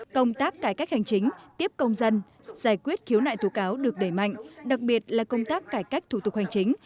công tác cải cách hành chính tiếp công dân giải quyết khiếu nại tố cáo được đẩy mạnh đặc biệt là công tác cải cách thủ tục hành chính